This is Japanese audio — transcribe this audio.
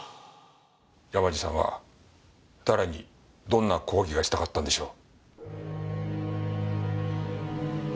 山路さんは誰にどんな抗議がしたかったんでしょう。